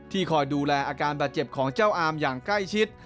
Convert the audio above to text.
คอยดูแลอาการบาดเจ็บของเจ้าอามอย่างใกล้ชิด